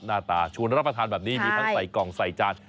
หน้าตาชวนรับประทานแบบนี้มีทั้งใส่กล่องใส่จาน